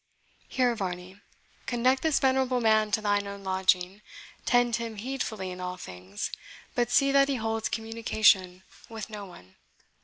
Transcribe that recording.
Here, Varney conduct this venerable man to thine own lodging; tend him heedfully in all things, but see that he holds communication with no one."